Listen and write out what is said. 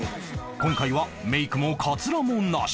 今回はメイクもカツラもなし